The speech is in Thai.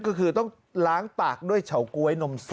ก็คือต้องล้างปากด้วยเฉาก๊วยนมสด